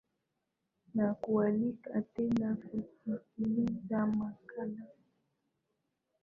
na kualika tena kusikiliza makala